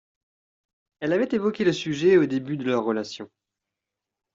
Elle avait évoqué le sujet au début de leur relation